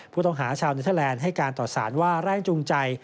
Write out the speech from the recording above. ผู้ต้องหาชาวเนเทอร์แลนด์ให้การต่อสารว่าแรงจูงใจ